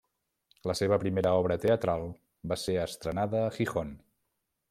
La seva primera obra teatral va ser estrenada a Gijón.